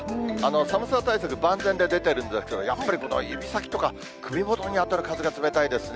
寒さ対策、万全で出ているんですけれども、やっぱりこの指先とか、首元に当たる風が冷たいですね。